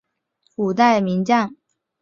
五代名将。